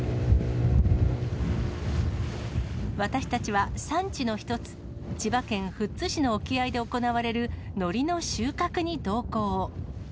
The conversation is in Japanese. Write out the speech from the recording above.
私たちは産地の一つ、千葉県富津市の沖合で行われるのりの収穫に同行。